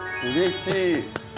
うれしい。